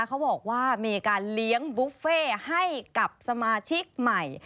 เขาบอกว่ามีการเลี้ยงบุฟเฟ่ให้กับสมาชิกใหม่